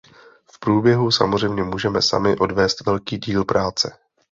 V průběhu samozřejmě můžeme sami odvést velký díl práce.